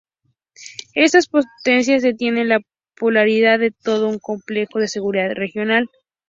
Estas potencias definen la polaridad de todo complejo de seguridad regional.